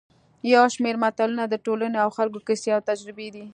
یو شمېر متلونه د ټولنې او خلکو کیسې او تجربې دي